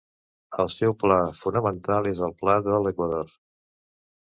El seu pla fonamental és el pla de l'equador.